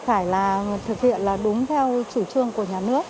phải thực hiện đúng theo chủ trương của nhà nước